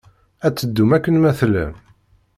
Ad teddum akken ma tellam